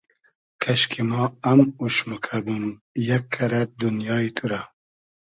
کئشکی ما ام اوش موکئدوم یئگ کئرئد دونیای تو رۂ